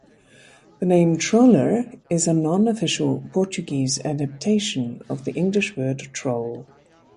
The name Troller is a non-official Portuguese adaptation of the English word troll.